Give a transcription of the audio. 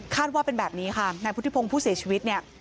คาดว่าเป็นแบบนี้ค่ะในพุทธิพงศ์ผู้เสียชีวิต